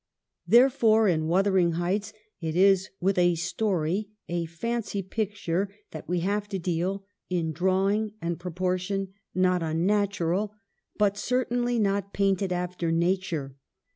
Therefore in ' Wuthering Heights ' it is with a story, a fancy picture, that we have to deal ; in drawing and proportion not unnatural, but cer tainly not painted after nature.